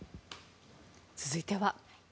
続いては。